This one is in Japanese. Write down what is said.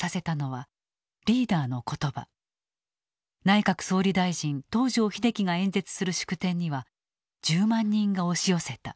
内閣総理大臣東條英機が演説する祝典には１０万人が押し寄せた。